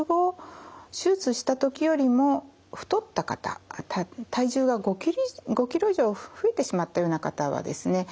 手術した時よりも太った方体重が５ｋｇ以上増えてしまったような方はですね